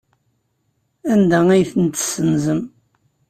Anda ay ten-tessenzem?